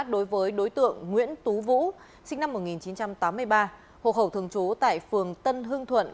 đối với đối tượng nguyễn tú vũ sinh năm một nghìn chín trăm tám mươi ba hộ khẩu thường trú tại phường tân hương thuận